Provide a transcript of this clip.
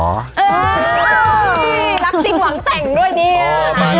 รักจริงหวังแต่งด้วยเนี่ย